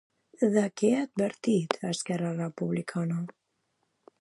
De què ha advertit a Esquerra Republicana?